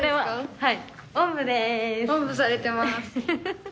はい。